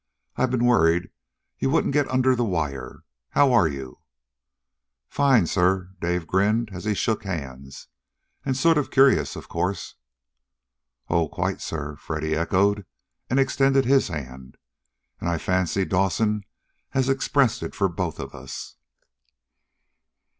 I've been worrying you wouldn't get under the wire. How are you?" "Fine, sir," Dave grinned as he shook hands. "And sort of curious, of course." "Oh, quite, sir," Freddy echoed, and extended his hand. "And I fancy Dawson has expressed it for both of us."